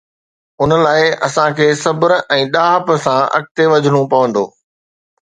ان لاءِ اسان کي صبر ۽ ڏاهپ سان اڳتي وڌڻو پوندو.